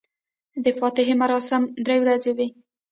د فاتحې مراسم درې ورځې وي.